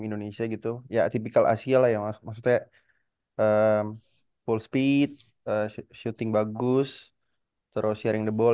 indonesia gitu ya tipikal asia lah ya maksudnya poll speed syuting bagus terus sharing the boll